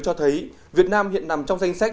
cho thấy việt nam hiện nằm trong danh sách